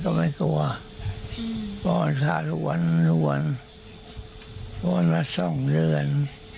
ก็ไม่กลัวปอนด์ข้าวทุกวันปอนด์มา๒เดือน